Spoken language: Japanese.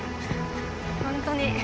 本当に。